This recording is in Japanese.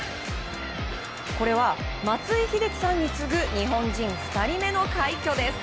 これは松井秀喜さんに次ぐ日本人２人目の快挙です。